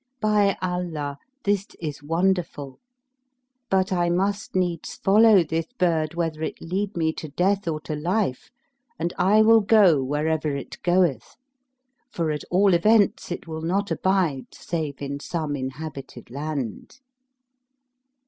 By Allah, this is wonderful! But I must needs follow this bird whether it lead me to death or to life; and I will go wherever it goeth, for at all events it will not abide save in some inhabited land.